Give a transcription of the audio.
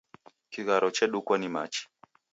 Kigharo chedukwa ni machi